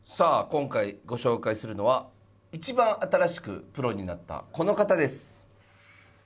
今回ご紹介するのは一番新しくプロになったこの方です。